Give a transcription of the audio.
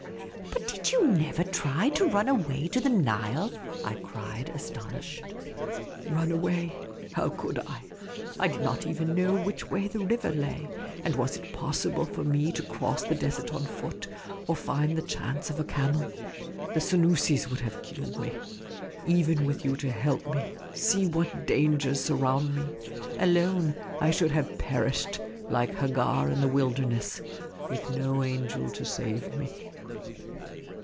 " But did you never try to run away to the Nile? " I cried, astonished. The Unobtrusive Oasis 205 Run away ? How could I ? I did not even know which way the river lay ; and was it possible for me to cross the desert on foot, or find the chance of a camel ? The Senoosis would have killed me. Even with you to help me, see what dangers surround me ; alone, I should have perished, like Hagar in the wilderness, with no angel to save me."